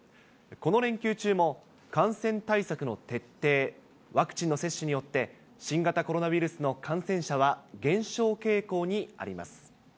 この連休中も、感染対策の徹底、ワクチンの接種によって、新型コロナウイルスの感染者は減少傾向にあります。